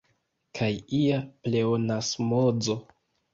Kaj ia pleonasmozo.